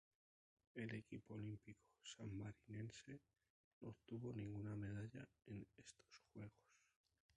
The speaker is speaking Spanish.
El equipo olímpico sanmarinense no obtuvo ninguna medalla en estos Juegos.